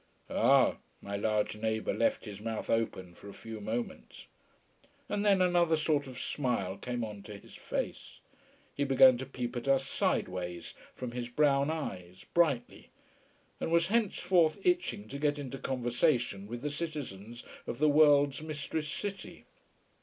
"Ah!" My large neighbour left his mouth open for a few moments. And then another sort of smile came on to his face. He began to peep at us sideways from his brown eyes, brightly, and was henceforth itching to get into conversation with the citizens of the world's mistress city.